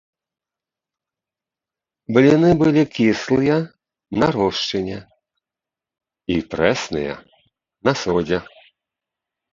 Бліны былі кіслыя, на рошчыне, і прэсныя, на содзе.